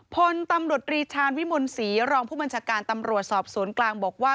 พลตำรวจรีชาญวิมลศรีรองผู้บัญชาการตำรวจสอบสวนกลางบอกว่า